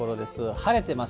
晴れてます。